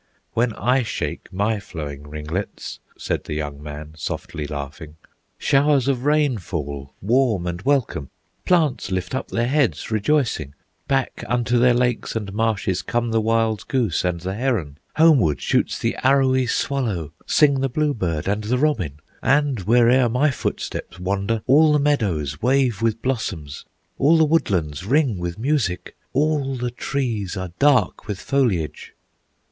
"When I shake my flowing ringlets," Said the young man, softly laughing, "Showers of rain fall warm and welcome, Plants lift up their heads rejoicing, Back unto their lakes and marshes Come the wild goose and the heron, Homeward shoots the arrowy swallow, Sing the bluebird and the robin, And where'er my footsteps wander, All the meadows wave with blossoms, All the woodlands ring with music, All the trees are dark with foliage!"